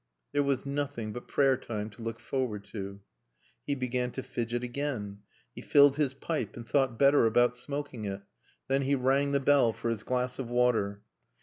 There was nothing but Prayer time to look forward to. He began to fidget again. He filled his pipe and thought better about smoking it. Then he rang the bell for his glass of water.